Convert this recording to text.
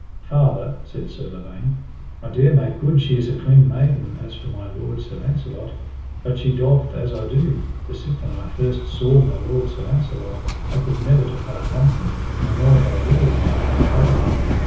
Father, said Sir Lavaine, I dare make good she is a clean maiden as for my lord Sir Launcelot; but she doth as I do, for sithen I first saw my lord Sir Launcelot, I could never depart from him, nor nought I will an I may follow him.